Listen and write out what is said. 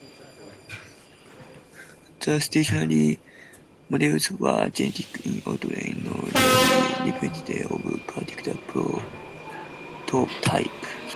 The stationary models were generic in outline, not really representative of particular prototypes.